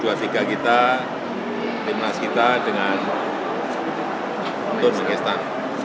u dua puluh tiga kita timnas kita dengan tunggul pakistan